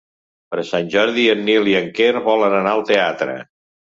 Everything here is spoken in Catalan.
Per Sant Jordi en Nil i en Quer volen anar al teatre.